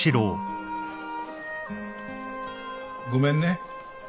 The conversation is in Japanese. ごめんね。